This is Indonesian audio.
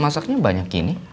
masaknya banyak gini